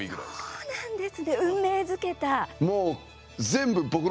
そうなんです。